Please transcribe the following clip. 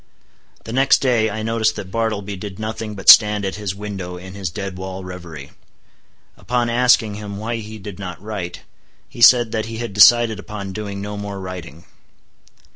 The next day I noticed that Bartleby did nothing but stand at his window in his dead wall revery. Upon asking him why he did not write, he said that he had decided upon doing no more writing.